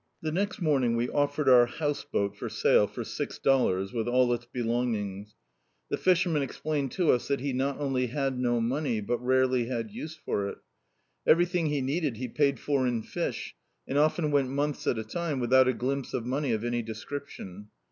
The next morning we offered our bouse boat for sale for six dollars, with all its belonging. The fishemtian explained to us that be not only had no money, but rarely had use for iL Everything he needed he paid for in fish, and often went months at a time without a glimpse of money of any descrip tion.